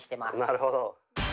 なるほど。